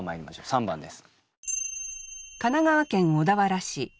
３番です。